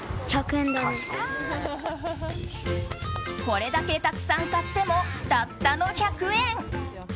これだけたくさん買ってもたったの１００円。